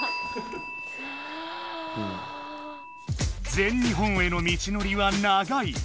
全日本への道のりは長い。